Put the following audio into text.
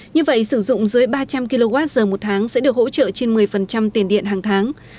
như vậy sử dụng dưới ba trăm linh kwh một tháng sẽ được hỗ trợ trên một mươi tiền điện hàng tháng